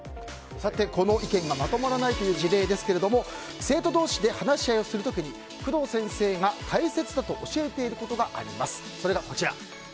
この意見がまとまらないという事例ですけど生徒同士で話し合いをする時に工藤先生が大切だと教えていることがあります。